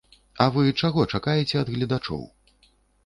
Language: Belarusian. А вы чаго чакаеце ад гледачоў?